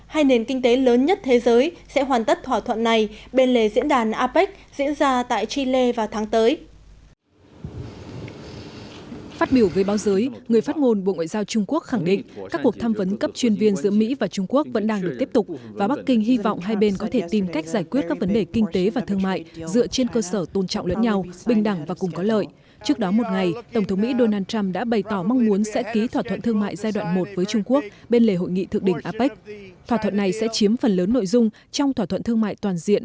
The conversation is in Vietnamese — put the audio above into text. hai nền kinh tế lớn nhất thế giới sẽ hoàn tất thỏa thuận này bên lề diễn đàn apec diễn ra tại chile và thái lan